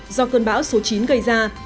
do cơn bão số chín gây ra